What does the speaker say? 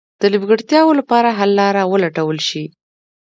د نیمګړتیاوو لپاره حل لاره ولټول شي.